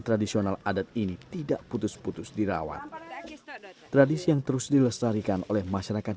tradisi ini juga mengajarkan sikap